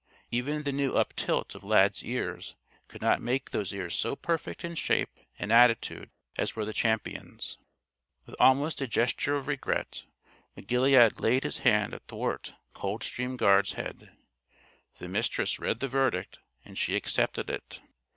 Even the new uptilt of Lad's ears could not make those ears so perfect in shape and attitude as were the Champion's. With almost a gesture of regret McGilead laid his hand athwart Coldstream Guard's head. The Mistress read the verdict, and she accepted it.